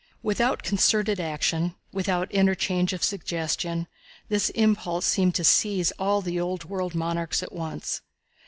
Without concerted action, without interchange of suggestion, this impulse seemed to seize all the old world monarchs at once.